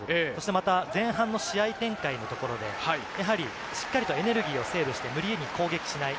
また前半の試合展開のところで、やはりしっかりエネルギーをセーブして無理に攻撃しない。